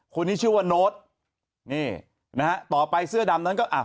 คนนี้ชื่อว่าโน้ตนี่นะฮะต่อไปเสื้อดำนั้นก็อ่ะ